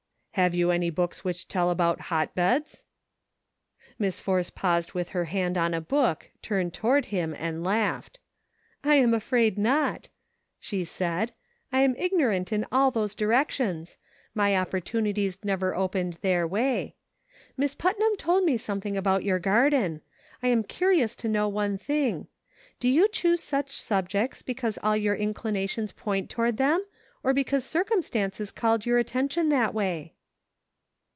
" Have you any books which tell about hotbeds .'" Miss Force paused with her hand on a book, turned toward him and laughed. "I am afraid not," she said ;" I am ignorant in all those directions ; my opportunities never opened their way ; Miss Putnam told me something about your garden. I am curious to know one thing : Do you choose such subjects because all your in clinations point toward them or because circum stances called your attention that way